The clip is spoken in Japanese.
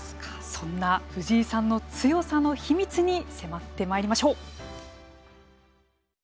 そんな藤井さんの強さの秘密に迫ってまいりましょう。